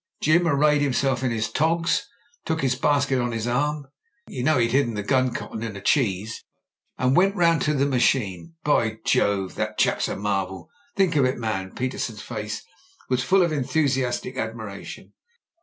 Jim arrayed himself in his togs, took his basket on his arm — ^you know he'd hidden the gun cotton in a cheese — and we went round to the machine. By Jove! that JIM BRENTS V.C. 141 chap's a marvel. Think of it, man.'* Petersen's face was full of enthusiastic admiration.